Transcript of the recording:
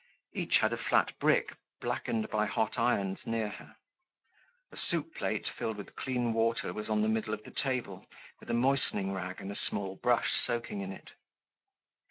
Each had a flat brick blackened by hot irons near her. A soup plate filled with clean water was on the middle of the table with a moistening rag and a small brush soaking in it.